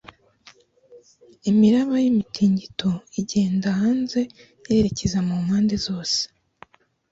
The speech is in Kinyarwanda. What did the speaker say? Imiraba y’imitingito igenda hanze yerekeza mu mpande zose